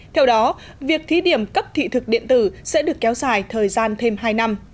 theo đó việc thí điểm cấp thị thực điện tử sẽ được kéo dài thời gian thêm hai năm